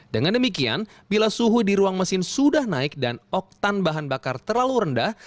dengan demikian bila suhu di ruang mesin sudah naik dan oktan bahan bakar terlalu rendah